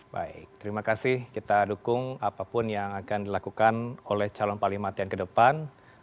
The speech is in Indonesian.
baik terima kasih kita dukung apapun yang akan dilakukan oleh calon panglima tni ke depan